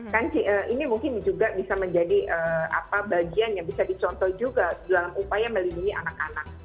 kan ini mungkin juga bisa menjadi bagian yang bisa dicontoh juga dalam upaya melindungi anak anak